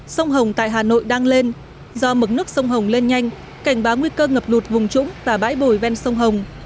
sông hồng tại hà nội đang lên do mực nước sông hồng lên nhanh cảnh báo nguy cơ ngập lụt vùng trũng và bãi bồi ven sông hồng